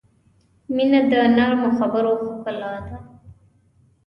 • مینه د نرمو خبرو ښکلا ده.